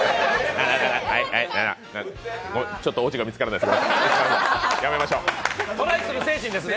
ちょっとオチが見つからないですね。